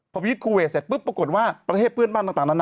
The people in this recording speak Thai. พอพีชคูเวทเสร็จปุ๊บปรากฏว่าประเทศเพื่อนบ้านต่างนั้น